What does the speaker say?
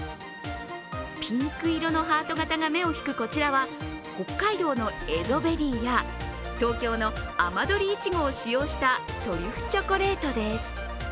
ピンク色のハート形が目を引くこちらは北海道のエゾベリーや東京のあまどりいちごを使用したトリュフチョコレートです。